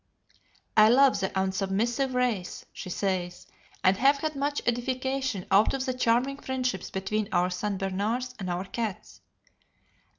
"I love the unsubmissive race," she says, "and have had much edification out of the charming friendships between our St. Bernards and our cats.